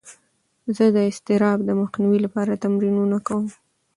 زه د اضطراب د مخنیوي لپاره تمرینونه کوم.